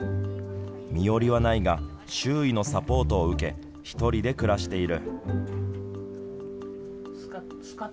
身寄りはないが周囲のサポートを受け一人で暮らしている。